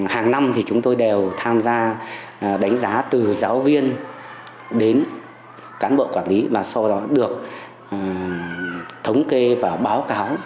hàng năm thì chúng tôi đều tham gia đánh giá từ giáo viên đến cán bộ quản lý và sau đó được thống kê và báo cáo tới các cấp lãnh đạo